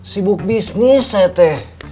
sibuk bisnis ete